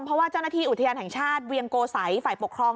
เพราะว่าเจ้าหน้าที่อุทยานแห่งชาติเวียงโกสัยฝ่ายปกครอง